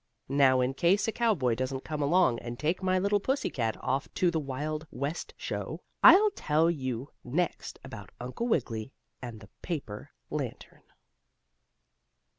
Now in case a cowboy doesn't come along, and take my little pussy cat off to the wild west show I'll tell you next about Uncle Wiggily and the paper lantern.